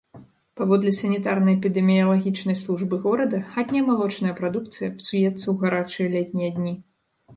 Паводле санітарна-эпідэміялагічнай службы горада, хатняя малочная прадукцыя псуецца ў гарачыя летнія дні.